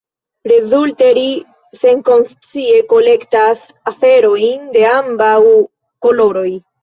Rezulte, ri senkonscie kolektas aferojn de ambaŭ koloroj.